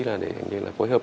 là để hình như là phối hợp